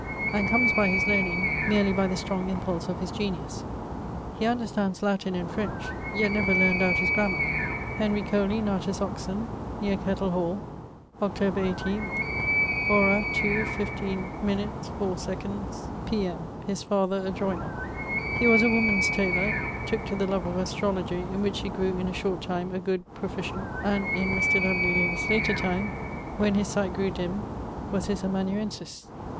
And comes by his learning meerly by the strong impulse of his genius. He understands Latin and French: yet never learned out his grammar. Henry Coley[CO] natus Oxon, neer Kettle hall, Octob. 18, horâ 2. 15´ 4˝ P.M. his father a joyner. He was a woman's tayler: tooke to the love of astrologie, in which he grew in a short time a good proficient; and in Mr. W. Lilly's later time, when his sight grew dimme, was his amanuensis.